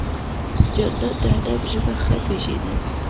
جانداد د ادب ژبه ښه پېژني.